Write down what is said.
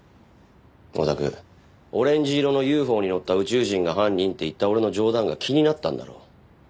お宅オレンジ色のＵＦＯに乗った宇宙人が犯人って言った俺の冗談が気になったんだろ。